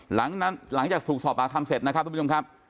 หลังนั้นหลังจากสรุปสอบอาคัมเสร็จนะครับทุกผู้ชมครับ